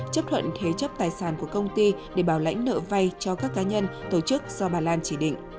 chấp thuận thế chấp tài sản của công ty để bảo lãnh nợ vay cho các cá nhân tổ chức do bà lan chỉ định